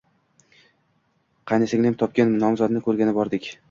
Qaynsinglim topgan nomzodni ko`rgani bordik